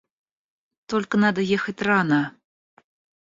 Только надо ехать рано.